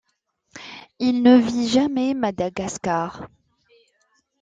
Il ne vit jamais Madagascar.